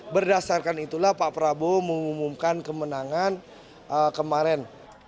berdasarkan itulah pak prabowo mengumumkan kemenangan kemarin